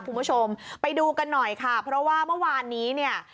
คุณผู้ชมไปดูกันหน่อยค่ะเพราะว่าเมื่อวานนี้เนี่ย